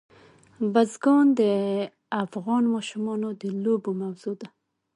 بزګان د افغان ماشومانو د لوبو موضوع ده.